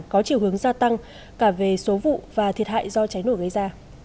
có chiều hướng gia tăng cả về số vụ và thiệt hại do cháy nổ gây ra